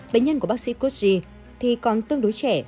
bệnh nhân của bác sĩ codg thì còn tương đối trẻ